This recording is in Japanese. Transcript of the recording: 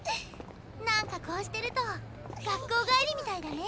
何かこうしてると学校帰りみたいだね。